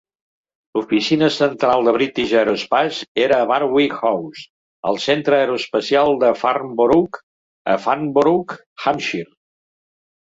L'oficina central de British Aerospace era a Warwick House, al Centre Aeroespacial de Farnborough a Farnborough, Hampshire.